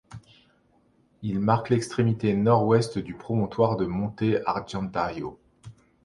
Il marque l'extrémité nord-ouest du promontoire de Monte Argentario.